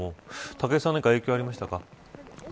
武井さんは何か影響がありましたか。